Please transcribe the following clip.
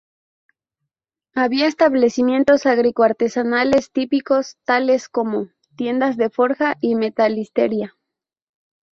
Había establecimientos agrícola-artesanales típicos, tales como tiendas de forja y metalistería.